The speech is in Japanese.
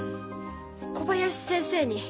小林先生に。